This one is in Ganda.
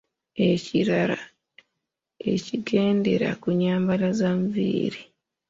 Ekirala ekigendera ku nnyambala ze nviiri.